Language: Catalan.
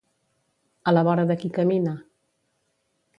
A la vora de qui camina?